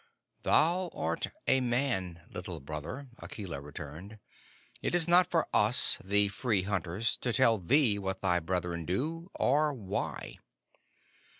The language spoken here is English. "Thou art a man, Little Brother," Akela returned. "It is not for us, the Free Hunters, to tell thee what thy brethren do, or why."